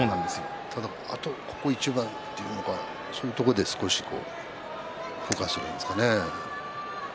ただここ一番というかそういうところで少しポカするんですかね。